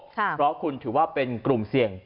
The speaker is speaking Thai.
เพราะคุณถือว่าเป็นกลุ่มเสี่ยง